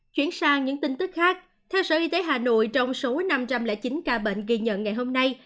chuyển sang những tin tức khác theo sở y tế hà nội trong số năm trăm linh chín ca bệnh ghi nhận ngày hôm nay